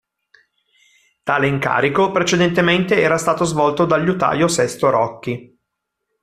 Tale incarico precedentemente era stato svolto dal liutaio Sesto Rocchi.